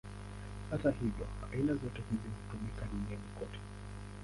Hata hivyo, aina zote hizi hutumika duniani kote.